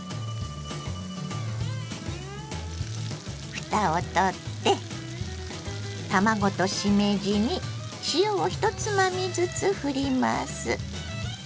ふたをとって卵としめじに塩を１つまみずつふります。